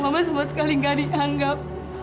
mama sama sekali nggak dianggap